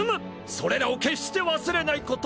それらを決して忘れないこと。